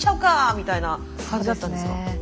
みたいな感じだったんですか？